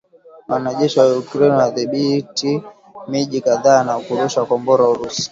Wanajeshi wa Ukraine wadhibithi miji kadhaa na kurusha Kombora Urusi